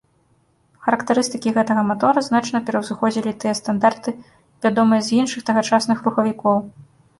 Характарыстыкі гэтага матора значна пераўзыходзілі тыя стандарты, вядомыя з іншых тагачасных рухавікоў.